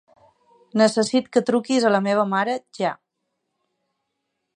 Necessito que truquis a la meva mare ja.